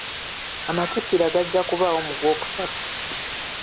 Amatikkira gajja kubaawo mu gwokusatu.